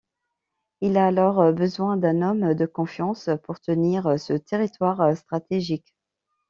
Il a alors besoin d'un homme de confiance pour tenir ce territoire stratégique.